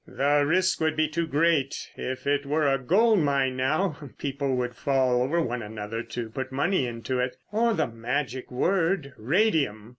"The risk would be too great. If it were a gold mine, now, people would fall over one another to put money into it. Or the magic word, radium!"